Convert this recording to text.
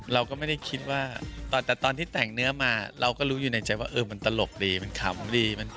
เราก็ไม่ได้คิดว่าแต่ตอนที่แต่งเนื้อมาเราก็รู้อยู่ในใจว่ามันตลกดีมันขำดี